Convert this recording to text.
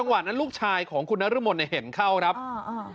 จังหวัดนั้นลูกชายของคุณน้ารุมมนต์เนี่ยเห็นเข้าครับอ่าอ่า